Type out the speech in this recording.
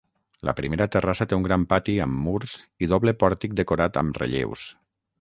La primera terrassa té un gran pati amb murs i doble pòrtic decorat amb relleus.